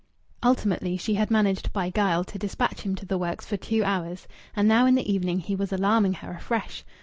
Ultimately she had managed, by guile, to dispatch him to the works for two hours. And now in the evening he was alarming her afresh.